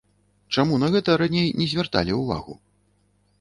Чаму на гэта раней не звярталі ўвагу?